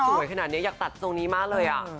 สวยขนาดนี้อยากตัดทรงนี้มากเลย